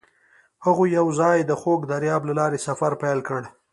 هغوی یوځای د خوږ دریاب له لارې سفر پیل کړ.